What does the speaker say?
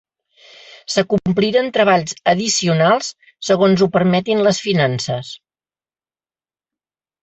S'acompliren treballs addicionals segons ho permetin les finances.